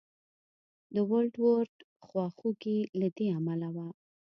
د ونټ ورت خواخوږي له دې امله وه.